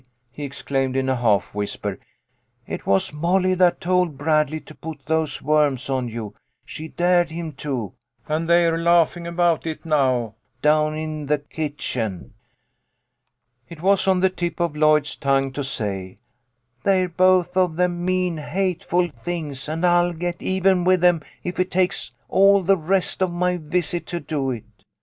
he exclaimed in a half whisper, "it was Molly that told Bradley to put those worms on you. She dared him to, and they're laughing about it now, down in the kitchen." It was on the tip of Lloyd's tongue to say, " They're both of them mean, hateful things, and I'll get even with them if it takes all the rest of my visit to do it."